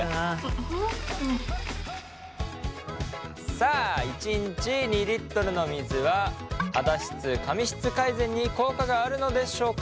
さあ１日２リットルの水は肌質髪質改善に効果があるのでしょうか？